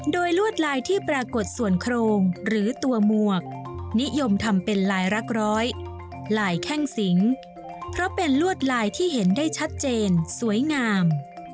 โดยลวดลายที่ปรากฏส่วนโครงหรือตัวหมวกนิยมทำเป็นลายรักร้อยลายแข้งสิงเพราะเป็นลวดลายที่เห็นได้ชัดเจนสวยงาม